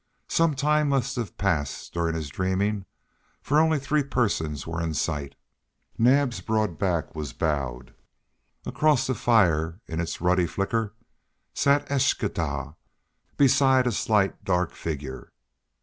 Some time must have passed during his dreaming, for only three persons were in sight. Naab's broad back was bowed and his head nodded. Across the fire in its ruddy flicker sat Eschtah beside a slight, dark figure.